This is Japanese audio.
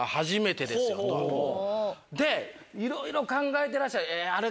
でいろいろ考えてらっしゃった。